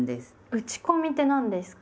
打ち込みって何ですか？